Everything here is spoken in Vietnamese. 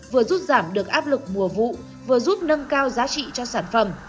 vừa giúp giảm được áp lực mùa vụ vừa giúp nâng cao giá trị cho sản phẩm